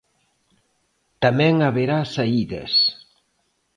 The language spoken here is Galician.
Tamén haberá saídas.